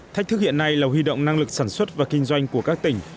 thách thức hiện nay là huy động năng lực sản xuất và kinh doanh của các tỉnh